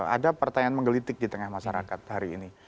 ada pertanyaan menggelitik di tengah masyarakat hari ini